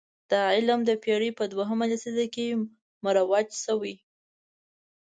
دغه علم د پېړۍ په دویمه لسیزه کې مروج شوی.